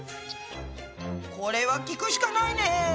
これは聞くしかないね！